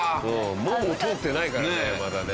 もも通ってないからねまだね。